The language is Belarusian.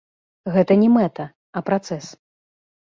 Гэта не мэта, а працэс.